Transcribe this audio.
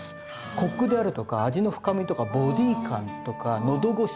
コクであるとか味の深みとかボディ感とか喉越しとか。